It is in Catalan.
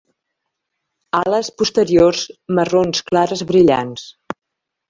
Ales posteriors marrons clares brillants.